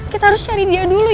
kita harus cari dia dulu ya